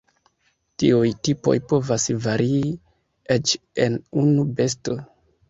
Tiuj tipoj povas varii eĉ en unu besto.